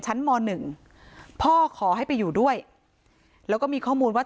มหนึ่งพ่อขอให้ไปอยู่ด้วยแล้วก็มีข้อมูลว่า